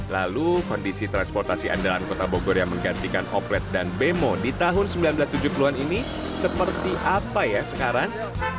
lalu kondisi transportasi andalan kota bogor yang menggantikan oplet dan bemo di tahun seribu sembilan ratus tujuh puluh an ini seperti apa ya sekarang